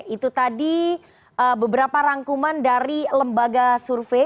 itu tadi beberapa rangkuman dari lembaga survei